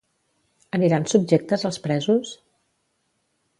Aniran subjectes els presos?